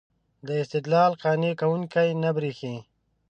دا استدلال قانع کوونکی نه برېښي.